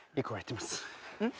うん？